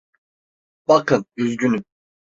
Bakın, üzgünüm.